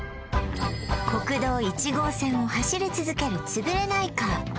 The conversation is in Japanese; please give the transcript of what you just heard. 国道１号線を走り続けるつぶれないカー